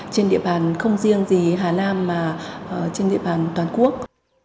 trên địa bàn không riêng gì hà nam mà trên địa bàn toàn quốc